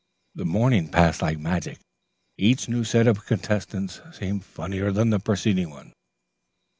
The morning passed like magic. Each new set of contestants seemed funnier than the preceding one.